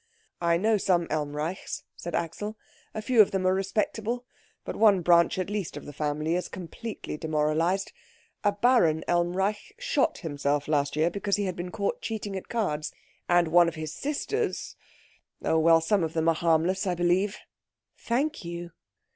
"I know some Elmreichs," said Axel. "A few of them are respectable; but one branch at least of the family is completely demoralised. A Baron Elmreich shot himself last year because he had been caught cheating at cards. And one of his sisters oh, well, some of them are harmless, I believe." "Thank you."